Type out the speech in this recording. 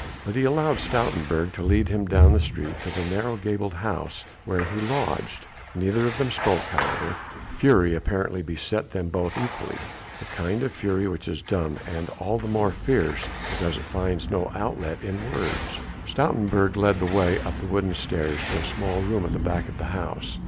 But he allowed Stoutenburg to lead him down the street to the narrow gabled house where he lodged. Neither of them spoke, however; fury apparently beset them both equally, the kind of fury which is dumb, and all the more fierce because it finds no outlet in words. Stoutenburg led the way up the wooden stairs to a small room at the back of the house.